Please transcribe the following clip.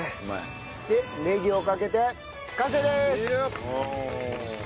でネギをかけて完成です！